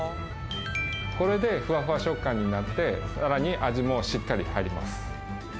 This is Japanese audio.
これでフワフワ食感になってさらに味もしっかり入ります。